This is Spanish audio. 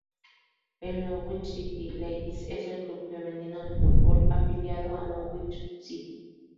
El Norwich City Ladies es el club femenino de fútbol afiliado a Norwich City.